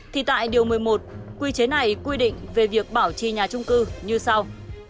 thì tại điều một mươi một quy chế này quy định về việc bảo trì nhà trung cư như sau